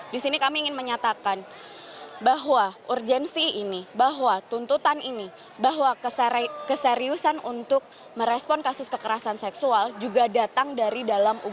di sini kami ingin menyatakan bahwa urgensi ini bahwa tuntutan ini bahwa keseriusan untuk merespon kasus kekerasan seksual juga datang dari dalam ugm